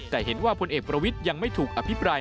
แต่เห็นว่าพลเอกประวิทย์ยังไม่ถูกอภิปราย